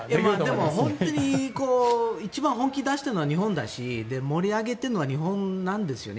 でも本当に一番本気出しているのは日本だし、盛り上げてるのは日本なんですよね。